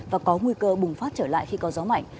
và có nguy cơ bùng phát trở lại khi có gió mạnh